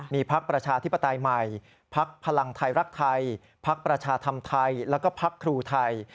มีพักประชาธิปไตยใหม่พักพลังไทยรักไทยพักประชาธรรมไทยแล้วก็พักครูไทย